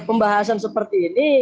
pembahasan seperti ini